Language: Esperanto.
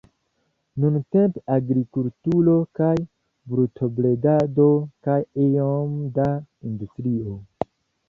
Nuntempe agrikulturo kaj brutobredado kaj iom da industrio.